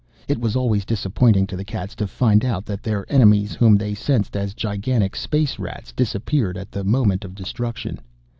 It was always disappointing to the cats to find out that their enemies whom they sensed as gigantic space Rats disappeared at the moment of destruction.